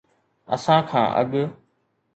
اسان کان اڳ